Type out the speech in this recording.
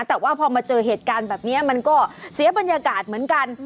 แต่ว่าพอมาเจอเหตุการณ์แบบนี้มันก็เสียบรรยากาศเหมือนกัน